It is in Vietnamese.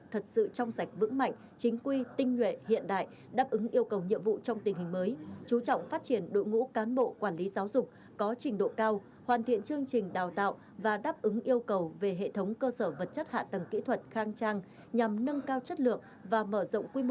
thật sự trong sạch vững mạnh chính quy tinh nguyện hiện đại đáp ứng yêu cầu nhiệm vụ trong tình hình mới